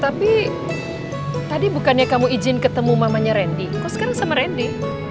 tapi tadi bukannya kamu izin ketemu mamanya randy kamu sekarang sama randy